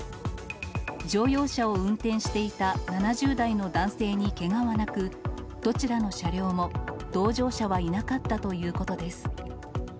乗用車を運転していた７０代の男性にけがはなく、どちらの車両も同乗者はいなかったということです。